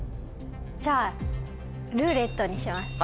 じゃあ「ルーレット」にします。